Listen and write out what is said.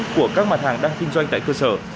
của các mặt hàng đang kinh doanh tại cơ sở